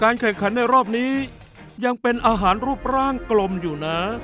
แข่งขันในรอบนี้ยังเป็นอาหารรูปร่างกลมอยู่นะ